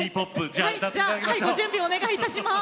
じゃあご準備お願いいたします。